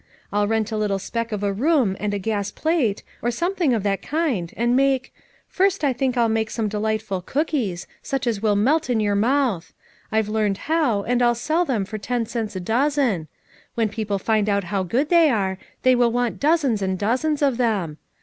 I'll rent a little speck of a room and a gas plate, or something of that kind and make — first I think I'll make some delightful cookies, such as will melt in your mouth; I've learned how, and I'll sell them for ten cents a dozen; when people find out how good they are, they will want dozens and dozens of them.